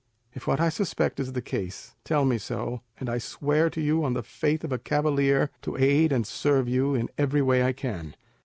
If what I suspect is the case, tell me so, and I swear to you on the faith of a cavalier to aid and serve you in every way I can.